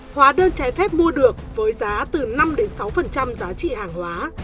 hóa đơn trái phép mua được với giá từ năm sáu giá trị hàng hóa